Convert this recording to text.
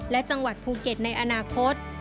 และจังหวัดภูเก็ตในอนาคต